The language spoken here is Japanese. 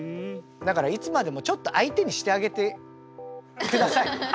だからいつまでもちょっと相手にしてあげてください。